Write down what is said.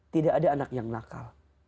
tidak ada anak yang nakal